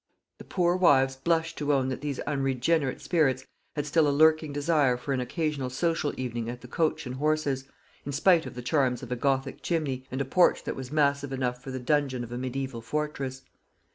The poor wives blushed to own that these unregenerate spirits had still a lurking desire for an occasional social evening at the Coach and Horses, in spite of the charms of a gothic chimney, and a porch that was massive enough for the dungeon of a mediaeval fortress.